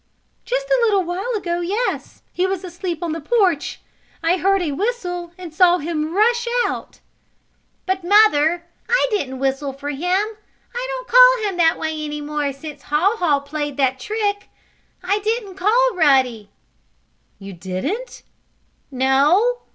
"Just a little while ago, yes. He was asleep on the porch. I heard a whistle, and saw him rush out." "But, Mother, I didn't whistle for him! I don't call him that way any more since Haw Haw played that trick. I didn't call Ruddy!" "You didn't?" "No!"